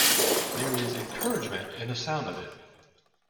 There is encouragement in the sound of it.